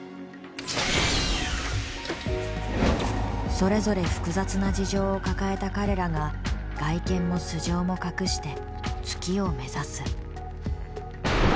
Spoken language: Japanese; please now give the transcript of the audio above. それぞれ複雑な事情を抱えた彼らが外見も素性も隠して月を目指す。